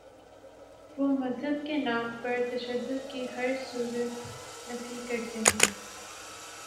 وہ مذہب کے نام پر تشدد کی ہر صورت نفی کرتے ہیں۔